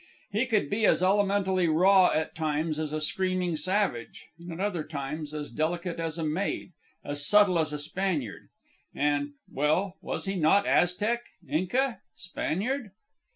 He could be as elementally raw at times as a screaming savage; and at other times as delicate as a maid, as subtle as a Spaniard. And well, was he not Aztec? Inca? Spaniard?